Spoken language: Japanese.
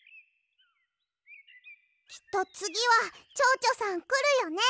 きっとつぎはチョウチョさんくるよね。